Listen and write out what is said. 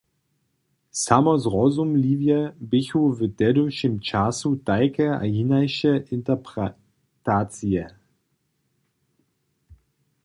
Samozrozumliwje běchu w tehdyšim času tajke a hinaše interpretacije.